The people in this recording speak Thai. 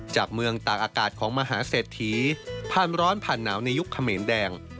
จากเมืองตากอากาศของมหาเศรษฐีผ่านร้อนผ่านหนาวในยุคเขมรแดง